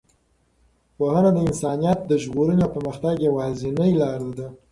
پوهنه د انسانیت د ژغورنې او د پرمختګ یوازینۍ لاره ده.